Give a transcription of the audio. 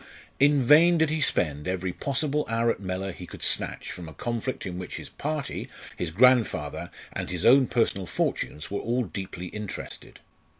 In vain did he spend every possible hour at Mellor he could snatch from a conflict in which his party, his grandfather, and his own personal fortunes were all deeply interested.